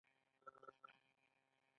هغوی د سړک پر غاړه د آرام دریاب ننداره وکړه.